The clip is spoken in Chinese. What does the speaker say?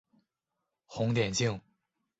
红点镜。